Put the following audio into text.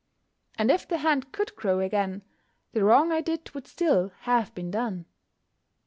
And if the hand could grow again, the wrong I did would still have been done.